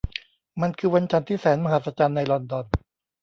มันคือวันจันทร์ที่แสนมหัศจรรย์ในลอนดอน